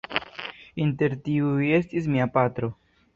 Inter tiuj estis mia patro.